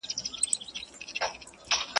تیارې به د قرنونو وي له لمره تښتېدلي !.